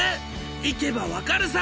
行けば分かるさ！